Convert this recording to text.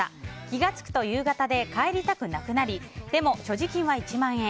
気が付くと夕方で帰りたくなくなりでも所持金は１万円。